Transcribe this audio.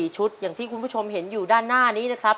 ชุดอย่างที่คุณผู้ชมเห็นอยู่ด้านหน้านี้นะครับ